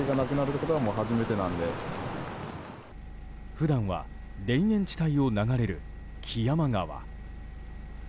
普段は田園地帯を流れる木山川。